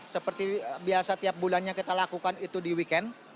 seperti biasa tiap bulannya kita lakukan itu di weekend